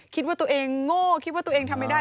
คิดว่าตัวเองโง่คิดว่าตัวเองทำไม่ได้